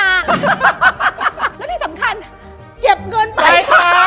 แล้วที่สำคัญเก็บเงินไปค่ะ